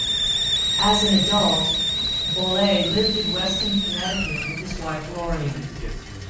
As an adult, Bolle lived in Weston, Connecticut, with his wife, Lori.